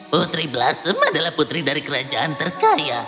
putri blasem adalah putri dari kerajaan terkaya